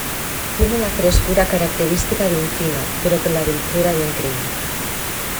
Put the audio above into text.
Tiene la frescura característica de un Fino pero con la dulzura de un Cream.